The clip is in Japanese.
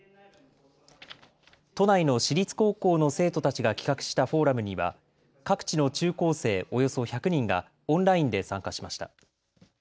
都内の私立高校の生徒たちが企画したフォーラムには各地の中高生およそ１００人がオンラインで参加しました。